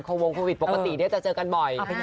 วงโควิดปกติจะเจอกันบ่อย